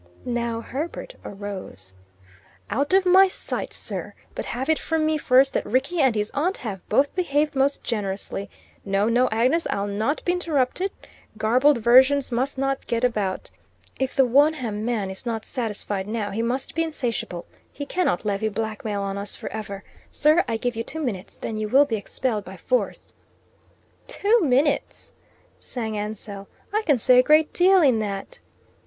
Now Herbert arose. "Out of my sight, sir! But have it from me first that Rickie and his aunt have both behaved most generously. No, no, Agnes, I'll not be interrupted. Garbled versions must not get about. If the Wonham man is not satisfied now, he must be insatiable. He cannot levy blackmail on us for ever. Sir, I give you two minutes; then you will be expelled by force." "Two minutes!" sang Ansell. "I can say a great deal in that."